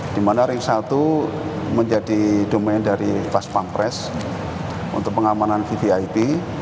dimana ring satu menjadi domain dari vas pampres untuk pengamanan vvip